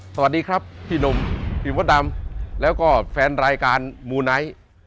สวัสดีครับพี่หนุ่มพี่มดดำแล้วก็แฟนรายการมูไนท์